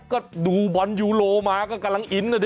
ก็ดูบอลยูโรมาก็กำลังอินนะดิ